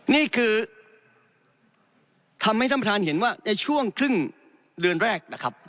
นี่คือทำให้ท่านประธานเห็นว่าในช่วงครึ่งเดือนแรกนะครับ